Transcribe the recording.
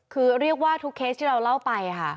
คือเรียกว่าทุกเคสที่เราเล่าไปค่ะ